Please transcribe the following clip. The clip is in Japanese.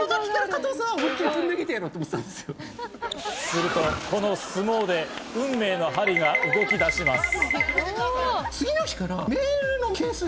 すると、この相撲で運命の針が動き出します。